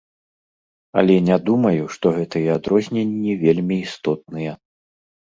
Але не думаю, што гэтыя адрозненні вельмі істотныя.